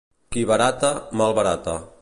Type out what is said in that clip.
Qui barata, malbarata.